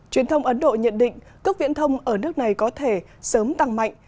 truyền thông ấn độ nhận định cước viễn thông ở nước này có thể sớm tăng mạnh